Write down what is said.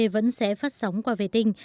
vẫn sẽ phát sóng qua vệ tinh